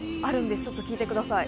ちょっと聴いてください。